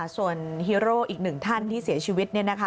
ส่วนฮีโร่อีกหนึ่งท่านที่เสียชีวิต